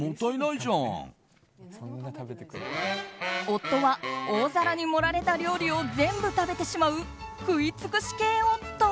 夫は大皿に盛られた料理を全部食べてしまう食い尽くし系夫。